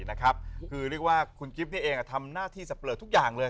นะครับคือเรียกว่าคุณกิ๊บเนี่ยเองอ่ะทำหน้าที่สับเปิดทุกอย่างเลย